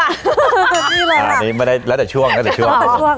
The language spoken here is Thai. นี่เลยค่ะอ่านี่ไม่ได้แล้วแต่ช่วงแล้วแต่ช่วงแล้วแต่ช่วง